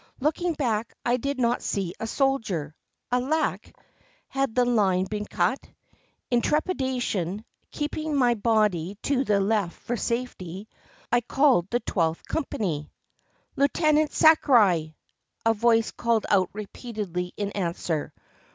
Looking back, I did not see a soldier. Alack, had the line been cut? In trepidation, keeping my body to the left for safety, I called the Twelfth Company. "Lieutenant Sakurai!" a voice called out repeatedly in answer.